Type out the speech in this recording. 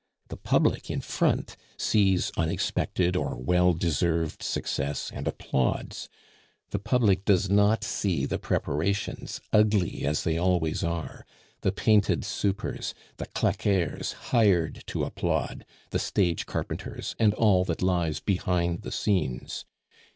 The public in front sees unexpected or well deserved success, and applauds; the public does not see the preparations, ugly as they always are, the painted supers, the claqueurs hired to applaud, the stage carpenters, and all that lies behind the scenes.